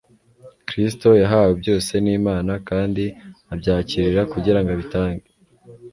Kristo yahawe byose n'Imana, kandi abyakirira kugira ngo abitange.